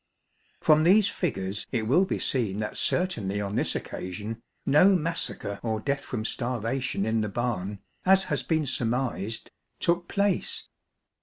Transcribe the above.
Erom these figures it will be seen that certainly on this occasion, no massacre or death from starvation in the barn, as has been surmised, took place.